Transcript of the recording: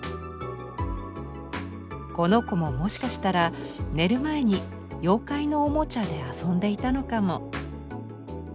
この子ももしかしたら寝る前に妖怪のおもちゃで遊んでいたのかも。